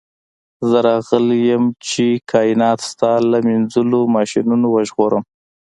زه راغلی یم چې کائنات ستا له مینځلو ماشینونو وژغورم